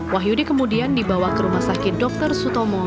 wahyudi kemudian dibawa ke rumah sakit dr sutomo